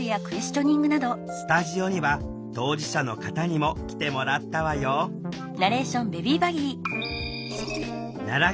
スタジオには当事者の方にも来てもらったわよさあ